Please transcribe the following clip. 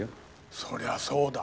そりゃそうだ。